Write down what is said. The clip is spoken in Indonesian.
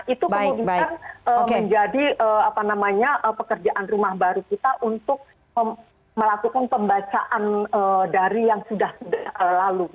itu kemudian menjadi pekerjaan rumah baru kita untuk melakukan pembacaan dari yang sudah lalu